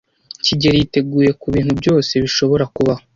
kigeli yiteguye kubintu byose bishobora kubaho.